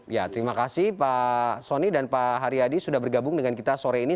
ya terima kasih pak soni dan pak haryadi sudah bergabung dengan kita sore ini